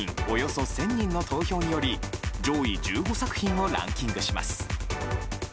およそ１０００人の投票により上位１５作品をランキングします。